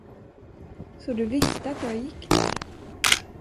Så du visste att jag gick där?